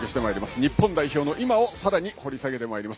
日本代表の今をさらに掘り下げてまいります。